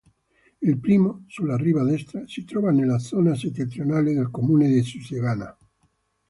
Il primo, sulla riva destra, si trova nella zona settentrionale del comune di Susegana.